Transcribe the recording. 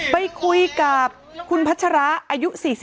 ไปคุยกับคุณพัชราอายุ๔๒